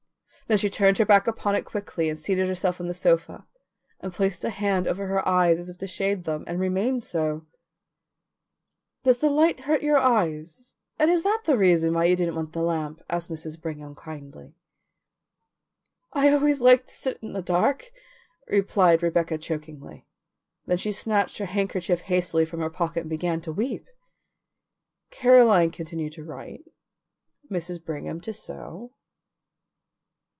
Then she turned her back upon it quickly and seated herself on the sofa, and placed a hand over her eyes as if to shade them, and remained so. "Does the light hurt your eyes, and is that the reason why you didn't want the lamp?" asked Mrs. Brigham kindly. "I always like to sit in the dark," replied Rebecca chokingly. Then she snatched her handkerchief hastily from her pocket and began to weep. Caroline continued to write, Mrs. Brigham to sew.